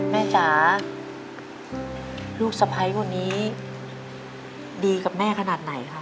จ๋าลูกสะพ้ายคนนี้ดีกับแม่ขนาดไหนคะ